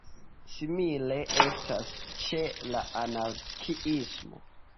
Simile estas ĉe la anarkiismo.